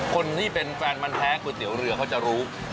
คนที่เป็นแฟนมันแพ้ก๋วยเตี๋ยวเรือเขาจะรู้